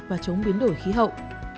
và chống biến đổi khí hậu